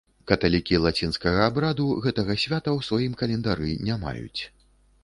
Каталікі лацінскага абраду гэтага свята ў сваім календары не маюць.